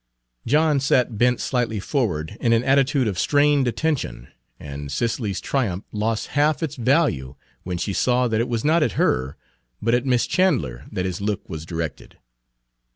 John sat bent slightly forward in an attitude of strained attention; and Cicely's triumph lost half its value when she saw that it was not at her, but at Miss Chandler, that his look was directed.